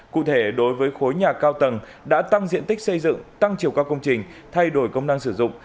cụ thể đối với khối nhà cao tầng đã tăng diện tích xây dựng tăng chiều cao công trình thay đổi công năng sử dụng